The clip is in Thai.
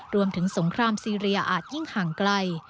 รวมถึงสงครามซิรียาอาจยิ่งห่างไกล